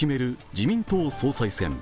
自民党総裁選。